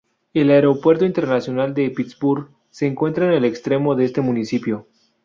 El Aeropuerto Internacional de Pittsburgh se encuentra en el extremo de este municipio.